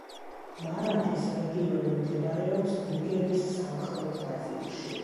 მარადის რეგიონი მდებარეობს ნიგერის სამხრეთ ნაწილში.